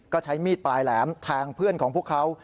ก็ใช้มีดปลายแหลมแทงเพื่อนของพวกเขา